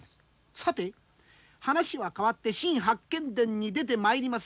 さて話は変わって「新八犬伝」に出てまいります